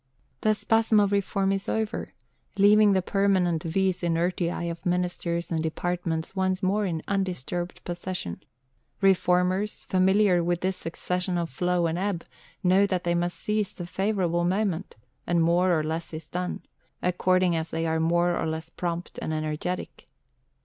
The spasm of reform is over, leaving the permanent vis inertiae of ministers and departments once more in undisturbed possession. Reformers, familiar with this succession of flow and ebb, know that they must seize the favourable moment, and more or less is done, according as they are more or less prompt and energetic.